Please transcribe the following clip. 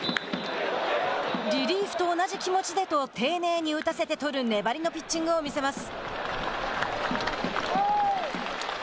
リリーフと同じ気持ちでと丁寧に打たせて取る粘りのピッチングを見せます。